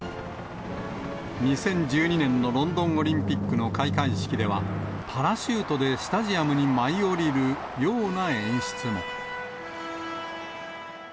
２０１２年のロンドンオリンピックの開会式では、パラシュートでスタジアムに舞い降りるような演出も。